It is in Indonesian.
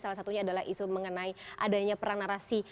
salah satunya adalah isu mengenai adanya perang narasi